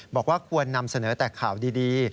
บอกว่าควรนำเสนอแต่ข่าวดี